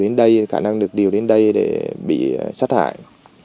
nạn nhân bị đều đến đây để bị sát hại